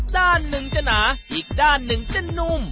ด้านหนึ่งจะหนาอีกด้านหนึ่งจะนุ่ม